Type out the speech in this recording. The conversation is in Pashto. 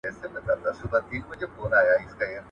ميرويس خان نيکه د افغانانو د اتفاق په اړه څه وویل؟